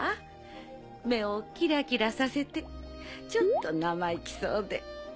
目をキラキラさせてちょっと生意気そうで。